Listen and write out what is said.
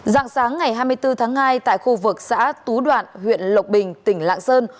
dạng sáng ngày hai mươi bốn tháng hai tại khu vực xã tú đoạn huyện lộc bình tỉnh lạng sơn